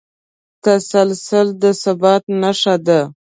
تسلسل د ثبات نښه ده.